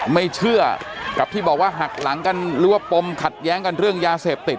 ไม่เชื่อกับที่บอกว่าหักหลังกันหรือว่าปมขัดแย้งกันเรื่องยาเสพติด